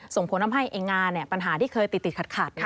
ส่งผลทำให้งานปัญหาที่เคยติดขัด